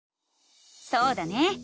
そうだね！